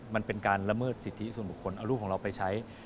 มันเป็นการละเมิดสิทธิส่วนบุคคลเอารูปของเราไปใช้